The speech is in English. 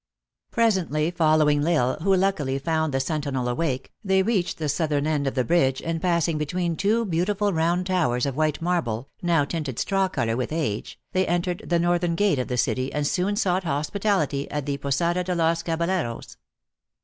Presently following L Isle, who luckily found the sentinel awake, they reached the southern end of the bridge, and passing between two beautiful round towers of white marble, now tinted straw color with age, they entered the northern gate of the city, and soon sought hospitality at the Posada de los Cabal leros.